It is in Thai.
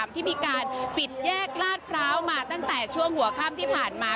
ที่มีการปิดแยกลาดพร้าวมาตั้งแต่ช่วงหัวค่ำที่ผ่านมา